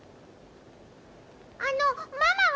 あの、ママは？